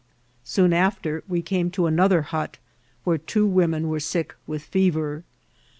Soon after we came to another hut, where two women were sick with fever.